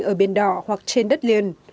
ở biển đỏ hoặc trên đất liền